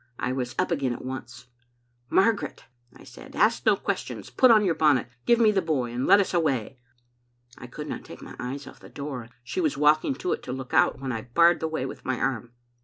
I was up again at once. "* Margaret,* I said, *ask no questions. Put on your bonnet, give me the boy, and let us away. '" I could not take my eyes off the door, and she was walking to it to look out when I barred the way with my arm.